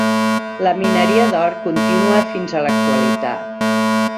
La mineria d'or continua fins a l'actualitat.